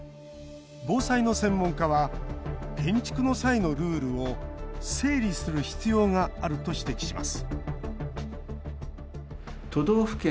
防災の専門家は建築の際のルールを整理する必要があると指摘します